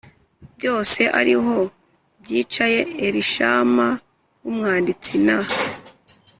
byose ari ho byicaye Elishama w umwanditsi na